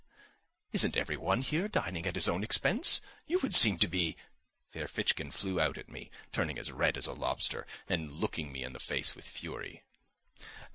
Isn't every one here dining at his own expense? You would seem to be ..." Ferfitchkin flew out at me, turning as red as a lobster, and looking me in the face with fury.